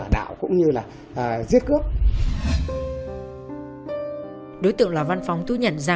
đi đi tao không ngủ